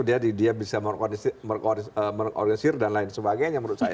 dia bisa mengorganisir dan lain sebagainya menurut saya